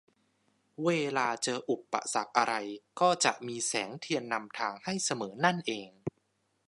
เวลาเจออุปสรรคอะไรก็จะมีแสงเทียนนำทางให้เสมอนั่นเอง